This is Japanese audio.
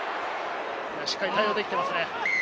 しっかり対応できていますね。